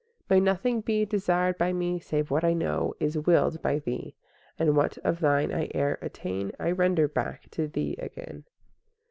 III May nothing be desired by me, Save what I know is willed by Thee; And what of Thine I e'er attain, I render back to Thee again.